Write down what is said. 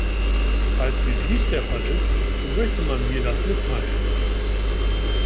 Falls dies nicht der Fall ist, so möchte man mir das mitteilen.